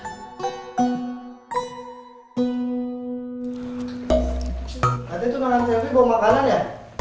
nanti tunangan selvi bawa makanan ya